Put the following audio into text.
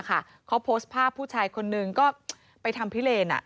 เขาโพสต์ภาพผู้ชายคนนึงก็ไปทำพิเลน